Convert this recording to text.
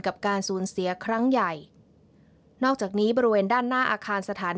กับการสูญเสียครั้งใหญ่นอกจากนี้บริเวณด้านหน้าอาคารสถาน